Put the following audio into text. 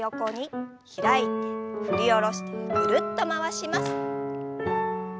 開いて振り下ろしてぐるっと回します。